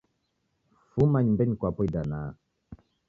Fuma nyumbenyi kwapo idanaa.